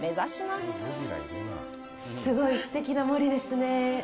すごい、すてきな森ですね。